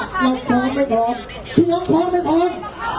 เราพร้อมไม่พร้อมพี่ตังพร้อมไม่พร้อม